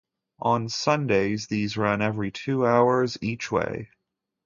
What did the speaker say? On Sundays, these run every two hours each way.